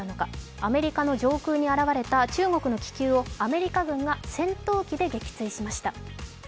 アメリカの上空に現れた中国の気球をアメリカ軍が戦闘機で撃墜しました。